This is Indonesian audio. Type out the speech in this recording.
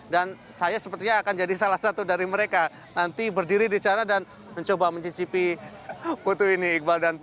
dan saya sepertinya akan jadi salah satu dari mereka nanti berdiri di sana dan mencoba mencicipi putu ini iqbal dan saya